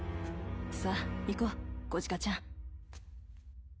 さあ行こう子鹿ちゃん。